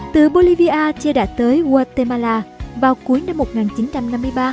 từ bolivia che đã tới guatemala vào cuối năm một nghìn chín trăm năm mươi ba